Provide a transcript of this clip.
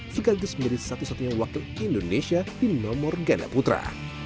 sekaligus menjadi satu satunya wakil indonesia di nomor ganda putra